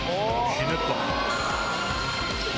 ひねった！